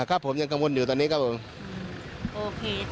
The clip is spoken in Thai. ออกมาเพิ่มไหมค่ะอ่าครับผมยังอยู่ตอนนี้ครับผมโอเค